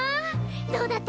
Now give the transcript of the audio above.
どうだった？